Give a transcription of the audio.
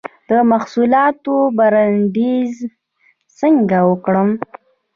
د محصولاتو برنډینګ څنګه وکړم؟